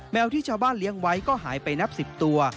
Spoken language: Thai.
ที่ชาวบ้านเลี้ยงไว้ก็หายไปนับ๑๐ตัว